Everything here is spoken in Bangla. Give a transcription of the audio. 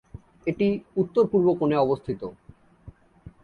এটি উত্তর পূর্ব কোণে অবস্থিত।